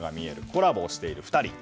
コラボをしている２人。